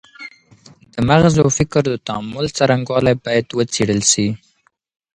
د مغز او فکر د تعامل څرنګوالی باید وڅېړل سي.